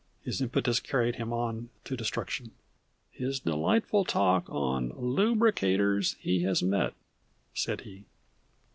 His impetus carried him on to destruction. " his delightful talk on Lubricators He Has Met," said he.